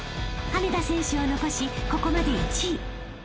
［羽根田選手を残しここまで１位］